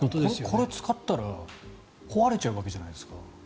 これを使ったら壊れちゃうわけじゃないですか。